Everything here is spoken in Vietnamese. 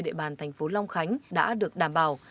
địa bàn thành phố long khánh đã được đảm bảo